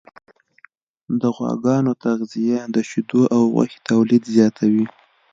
د غواګانو تغذیه د شیدو او غوښې تولید زیاتوي.